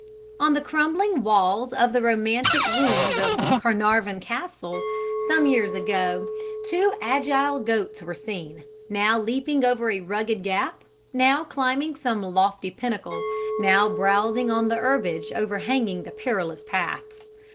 On the crumbling walls of the romantic ruins of Caernarvon Castle, some years ago, two agile goats were seen, now leaping over a rugged gap, now climbing some lofty pinnacle, now browsing on the herbage overhanging the perilous paths.